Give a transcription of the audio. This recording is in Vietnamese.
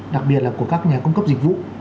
đặc biệt là của các nhà cung cấp dịch vụ